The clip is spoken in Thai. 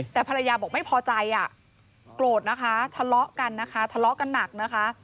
แต่ภรรยาบอกไม่พอใจอ่ะโกรธนะคะทะเลาะกันนะคะทะเลาะกันหนักนะคะ